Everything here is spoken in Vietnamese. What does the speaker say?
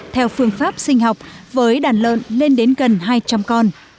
theo phương pháp sinh học với đàn lợn lên đến gần hai trăm linh con